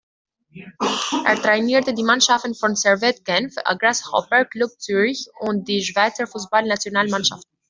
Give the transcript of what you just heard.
Er trainierte die Mannschaften von Servette Genf, Grasshopper Club Zürich und die Schweizer Fussballnationalmannschaft.